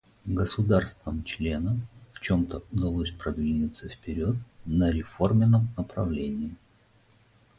Государствам-членам в чем-то удалось продвинуться вперед на реформенном направлении.